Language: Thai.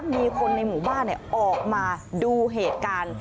มีคนในหมู่บ้านออกมาดูเหตุการณ์